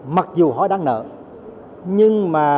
mặc dù họ đang nợ